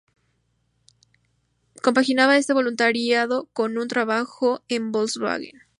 Compaginaba este voluntariado con un trabajo en Volkswagen.